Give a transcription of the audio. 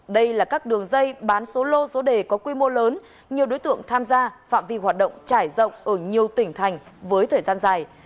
đây là các đường dây bán số lô số đề có quy mô lớn nhiều đối tượng tham gia phạm vi hoạt động trải rộng ở nhiều tỉnh thành với thời gian dài